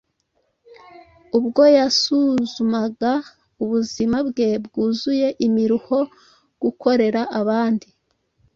Ubwo yasuzumaga ubuzima bwe bwuzuye imiruho, gukorera abandi,